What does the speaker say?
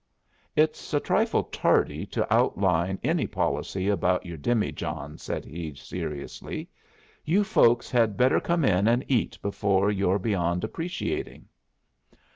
"It's a trifle tardy to outline any policy about your demijohn," said he, seriously. "You folks had better come in and eat before you're beyond appreciating."